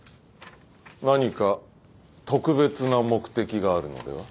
何か特別な目的があるのでは？